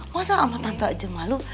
masa sama tante aja malu